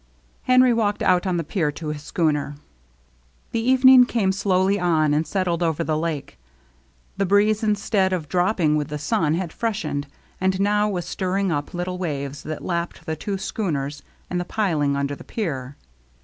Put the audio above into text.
Henry walked out on the pier to his schooner. The evening came slowly on and settled over the lake. The breeze, instead of drop ping with the sun, had freshened, and now was stirring up little waves that lapped the two schooners and the piling under the pier.